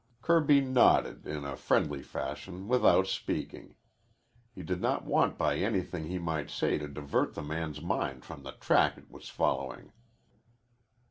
Kirby nodded in a friendly fashion without speaking. He did not want by anything he might say to divert the man's mind from the track it was following.